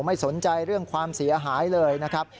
ไม่สนใจเรื่องความเสียหายเลยนะครับ